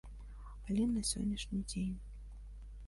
Але не сённяшні дзень.